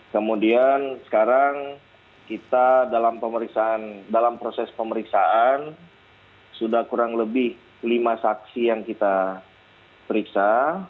kemudian sekarang kita dalam proses pemeriksaan sudah kurang lebih lima saksi yang kita periksa